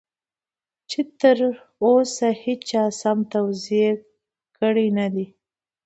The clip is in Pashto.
چې تر اوسه هېچا سم توضيح کړی نه دی.